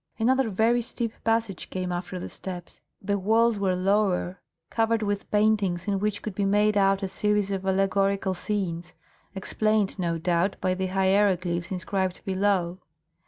Another very steep passage came after the steps. The walls were lower, covered with paintings, in which could be made out a series of allegorical scenes, explained, no doubt, by the hieroglyphs inscribed below.